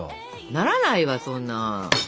ならないわそんな。